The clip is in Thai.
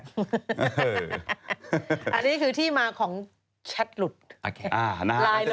อันนี้คือที่มาของแชทหลุด